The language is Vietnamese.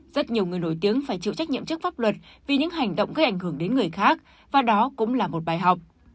rất nhiều người nổi tiếng phải chịu trách nhiệm trước pháp luật vì những hành động gây ảnh hưởng đến người khác và đó cũng là một bài học